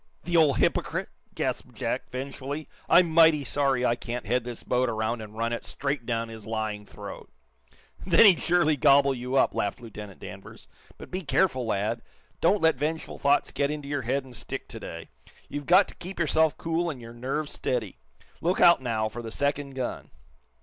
"The old hypocrite!" gasped Jack, vengefully "I'm mighty sorry I can't head this boat around and run it straight down his lying throat!" "Then he'd surely gobble you up!" laughed Lieutenant Danvers. "But be careful, lad! Don't let vengeful thoughts get into your head and stick to day. You've got to keep yourself cool and your nerve steady. Look out, now, for the second gun!"